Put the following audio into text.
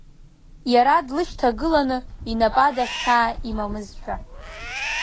Иара длышьҭагылан, инапада хьаа имамызшәа.